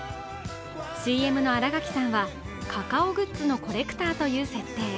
ＣＭの新垣さんはカカオグッズのコレクターという設定。